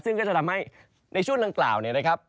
ซึ่งก็จะทำให้ในช่วงดังกล่าวเนี่ยนะครับ